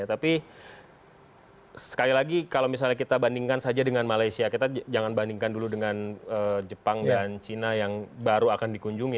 tapi sekali lagi kalau misalnya kita bandingkan saja dengan malaysia kita jangan bandingkan dulu dengan jepang dan cina yang baru akan dikunjungi